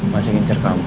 masih ngincer kamu